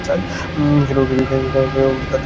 কেন, তাহাকে দেখিতেই বা কী মন্দ!